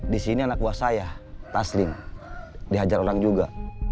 di sini anak buah saya tasling dihajar orang juga